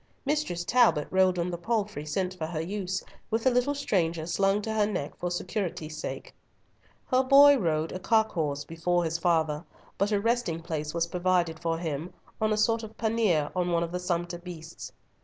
Mistress Talbot rode on the palfrey sent for her use, with the little stranger slung to her neck for security's sake. Her boy rode "a cock horse" before his father, but a resting place was provided for him on a sort of pannier on one of the sumpter beasts.